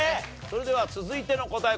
それでは続いての答え